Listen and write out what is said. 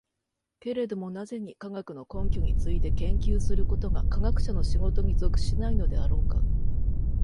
けれども何故に、科学の根拠について研究することが科学者の仕事に属しないのであろうか。